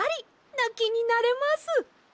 なきになれます！